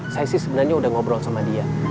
saya sih sebenarnya udah ngobrol sama dia